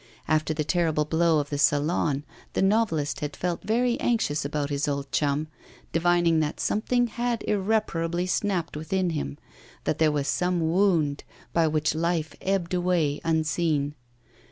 After the terrible blow of the Salon, the novelist had felt very anxious about his old chum, divining that something had irreparably snapped within him, that there was some wound by which life ebbed away unseen.